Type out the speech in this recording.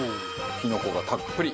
きのこがたっぷり。